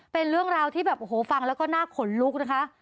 เป็นเรื่องราวที่แบบโอ้โหฟังแล้วก็น่าขนลุกนะคะ